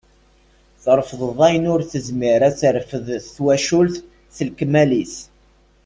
Terfdeḍ ayen ur tezmir ad terfed twacult s lekmal-is.